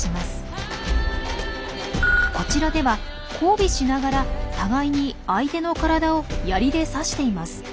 こちらでは交尾しながら互いに相手の体をヤリで刺しています。